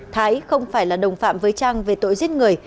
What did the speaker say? thái không phải là đồng phạm với trang về tội giết người